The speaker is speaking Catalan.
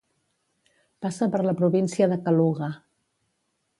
Passa per la província de Kaluga.